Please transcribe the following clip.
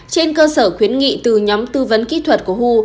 trên cơ sở khuyến nghị từ nhóm tư vấn kỹ thuật của hu